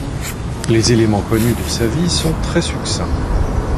Les éléments connus de sa vie sont très succincts.